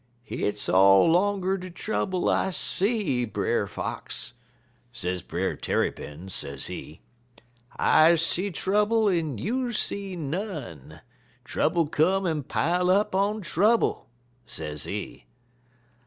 "'Hit's all 'longer de trouble I see, Brer Fox,' sez Brer Tarrypin, sezee. 'I see trouble en you see none; trouble come en pile up on trouble,' sezee.